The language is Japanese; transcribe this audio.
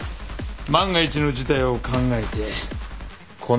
万が一の事態を考えてこの範囲。